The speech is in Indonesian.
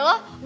gue udah tahu